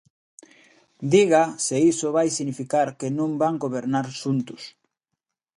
Diga se iso vai significar que non van gobernar xuntos.